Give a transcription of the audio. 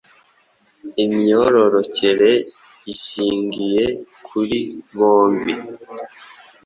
Imyororokere ishingiye kuri bombi